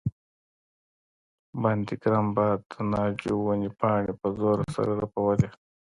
باندې ګرم باد د ناجو ونې پاڼې په زور سره رپولې.